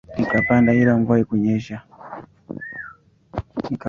Nikapanda ila mvua haikunyesha.